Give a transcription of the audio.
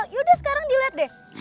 yaudah sekarang diliat deh